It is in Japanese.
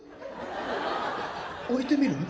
置いてみる？